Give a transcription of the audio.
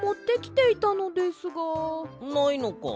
ないのか？